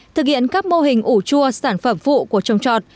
thực hiện các mô hình ủ chua sản phẩm phụ của trồng trọt